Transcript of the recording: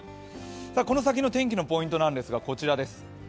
この先の天気のポイントなんですが、こちらです。